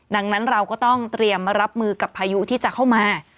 ดังนั้นเราก็ต้องเตรียมรับมือกับพายุที่จะเข้ามา